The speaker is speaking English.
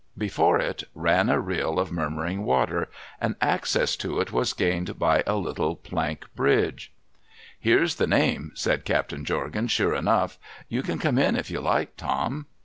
Before it, ran a rill of murmuring water, and access to it was gained by a little plank bridge. * Here's the name,' said Captain Jorgan, ' sure enough. You can come in if you like, Tom.'